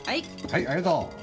はいありがとう。